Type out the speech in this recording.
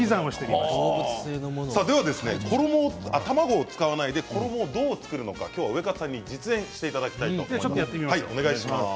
卵を使わないで衣をどう作るのかウエカツさんに実演してもらいたいと思います。